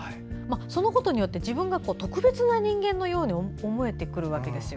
そのことによって自分が特別な人間のように思えてくるわけです。